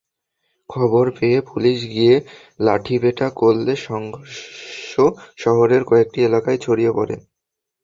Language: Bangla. খবর পেয়ে পুলিশ গিয়ে লাঠিপেটা করলে সংঘর্ষ শহরের কয়েকটি এলাকায় ছড়িয়ে পড়ে।